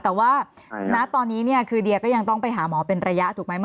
แต่ว่าณตอนนี้เนี่ยคือเดียก็ยังต้องไปหาหมอเป็นระยะถูกไหม